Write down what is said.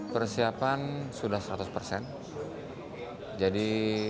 persiapan sudah selesai